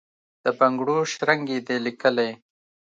د بنګړو شرنګ یې دی لېکلی،